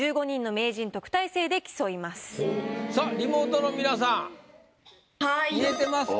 さあリモートの皆さん見えてますか？